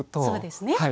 そうですね。